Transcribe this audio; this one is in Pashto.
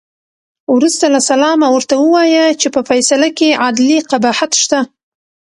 وروسته له سلامه ورته ووایه چې په فیصله کې عدلي قباحت شته.